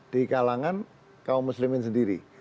di kalangan kaum muslimin sendiri